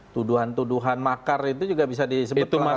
tuduhan tuduhan makar itu juga bisa disebut pelanggaran ham